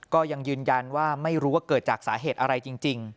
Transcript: ก็ยังยืนยันว่าไม่รู้ว่าเกิดจากสาเหตุอะไรจริง